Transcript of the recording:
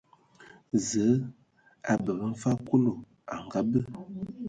Zǝǝ a bǝbǝ mfag Kulu a ngabǝ.